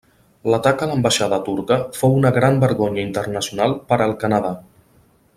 L'atac a l'ambaixada turca fou una gran vergonya internacional per al Canadà.